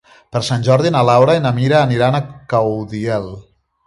Per Sant Jordi na Laura i na Mira aniran a Caudiel.